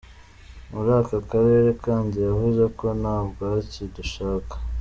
Muri aka karere kandi yavuze ko "nta bwaki dushaka".